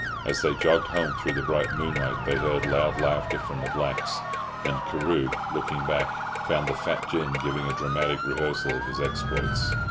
As they jogged home through the bright moonlight, they heard loud laughter from the blacks, and Carew, looking back, found the fat gin giving a dramatic rehearsal of his exploits.